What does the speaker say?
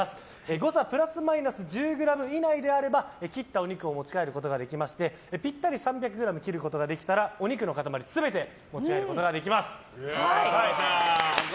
誤差プラスマイナス１０ｇ以内であれば切ったお肉を持ち帰ることができましてぴったり３００ｇ切ることができればお肉の塊全て持ち帰ることができます。